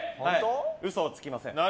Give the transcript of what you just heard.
嘘をつきません。